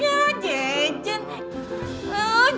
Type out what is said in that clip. iya gue udah masuk